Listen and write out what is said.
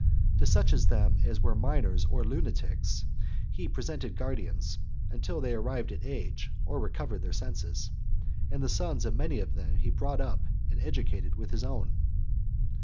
To such of them as were minors or lunatics he appointed guardians, until they arrived at age, or recovered their senses; and the sons of many of them he brought up and educated with his own.